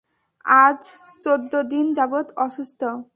আজ চোদ্দ দিন যাবৎ অসুস্থ।